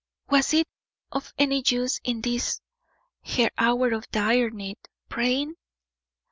Was it of any use in this her hour of dire need, praying?